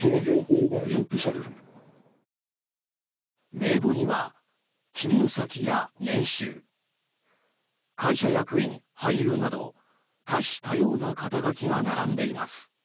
名簿には、勤務先や年収会社役員、俳優など多種多様な肩書が並んでいます。